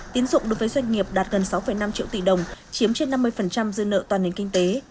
tín dụng đối với doanh nghiệp đạt gần sáu năm triệu tỷ đồng chiếm trên năm mươi dư nợ toàn nền kinh tế